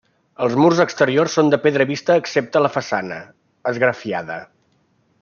Els murs exteriors són de pedra vista excepte la façana, esgrafiada.